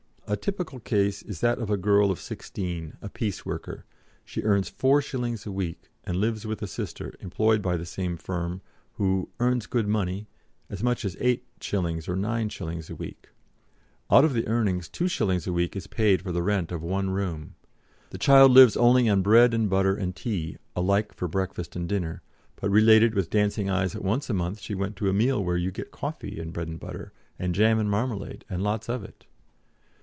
"A typical case is that of a girl of sixteen, a piece worker; she earns 4s. a week, and lives with a sister, employed by the same firm, who 'earns good money, as much as 8s. or 9s. a week.' Out of the earnings 2s. a week is paid for the rent of one room. The child lives only on bread and butter and tea, alike for breakfast and dinner, but related with dancing eyes that once a month she went to a meal where 'you get coffee and bread and butter, and jam and marmalade, and lots of it.'"